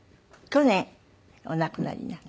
去年お亡くなりになった。